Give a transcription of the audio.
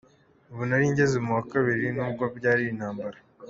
Ubu nari ngeze mu wa kabiri nubwo byari intambara.